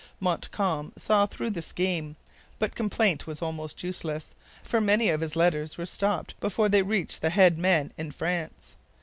Montcalm saw through the scheme, but complaint was almost useless, for many of his letters were stopped before they reached the head men in France.